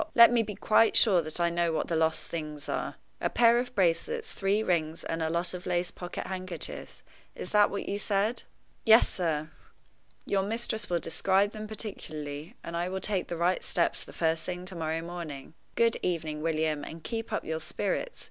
let me be quite sure that I know what the lost things are. A pair of bracelets, three rings, and a lot of lace pocket handkerchiefs is that what you said?" "Yes, sir." "Your mistress will describe them particularly, and I will take the right steps the first thing to morrow morning. Good evening, William, and keep up your spirits.